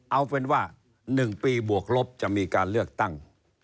เอาเป็นว่า๑ปีบวกลบจะมีการเลือกตั้ง